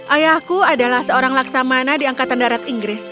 ayahku adalah seorang laksamana di angkatan darat inggris